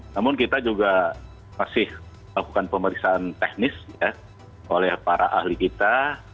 namun kita juga masih lakukan pemeriksaan teknis oleh para ahli kita